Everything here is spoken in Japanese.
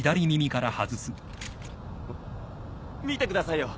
見てくださいよ。